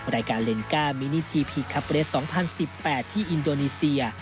รายการเลนก้ามินิจีพีคครับเรส๒๐๑๘ที่อินโดนีเซีย